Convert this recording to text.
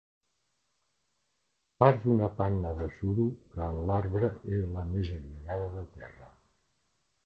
Part d'una panna de suro que, en l'arbre, era la més allunyada de terra.